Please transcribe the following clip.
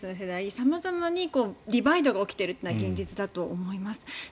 様々にディバイドが起きているというのが現実だと思います。